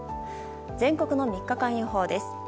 全国の３日間予報です。